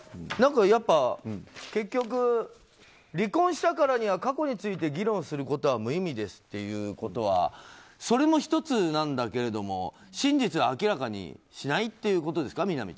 結局、離婚したからには過去について議論することは無意味ですっていうことはそれも１つなんだけれども真実は明らかにしないってことですか？